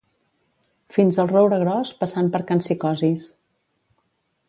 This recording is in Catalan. Fins el roure gros passant per can Psicosis